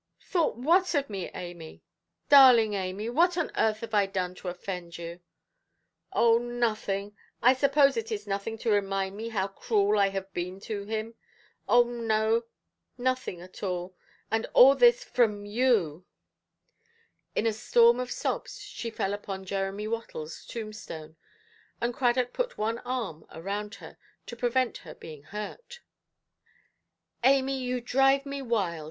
"Thought what of me, Amy? Darling Amy, what on earth have I done to offend you"? "Oh, nothing. I suppose it is nothing to remind me how cruel I have been to him. Oh no, nothing at all. And all this from you". In a storm of sobs she fell upon Jeremy Wattleʼs tombstone, and Cradock put one arm around her, to prevent her being hurt. "Amy, you drive me wild.